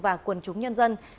và quần chúng nhân dân